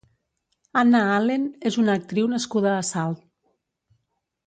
Anna Allen és una actriu nascuda a Salt.